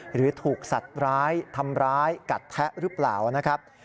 หรือถูกสัตว์ร้ายทำร้ายกัดแทะหรือเปล่านะครับ